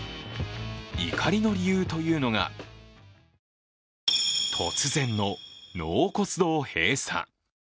怒りの理由というのが突然の納骨堂閉鎖。